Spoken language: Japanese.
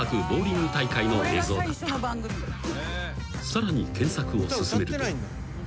［さらに検索を進めると］